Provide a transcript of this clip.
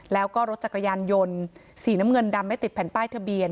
แล้วก็รถจักรยานยนต์สีน้ำเงินดำไม่ติดแผ่นป้ายทะเบียน